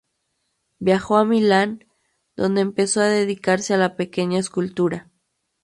Viajó a Milán, donde empezó a dedicarse a la pequeña escultura.